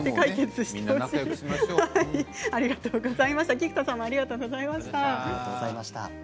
菊田さんもありがとうございました。